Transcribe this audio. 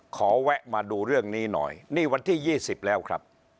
แวะมาดูเรื่องนี้หน่อยนี่วันที่๒๐แล้วครับ